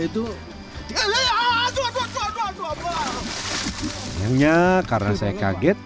ternyata karena saya kaget